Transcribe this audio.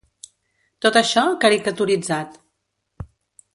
Tot això caricaturitzat.